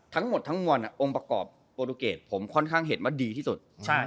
ทั้งหมดทั้งมวลองค์ประกอบโปรตูเกตผมค่อนข้างเห็นว่าดีที่สุด